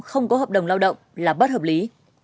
không có hợp đồng lao động là bất hợp lý